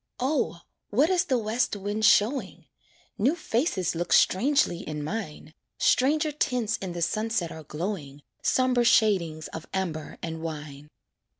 O! what is the west wind showing? New faces look strangely in mine, Stranger tints in the sunset are glowing, Somber shadings of amber and wine.